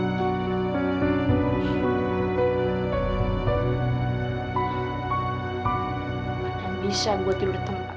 mana bisa gue tidur di tempat